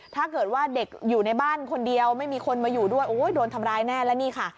ถ้าเกิดว่าเด็กอยู่ในบ้านคนเดียวไม่มีคนมาอยู่ด้วยโอ้ยโดนทำร้ายแน่แล้วนี่ค่ะ